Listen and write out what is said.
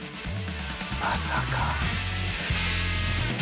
まさか。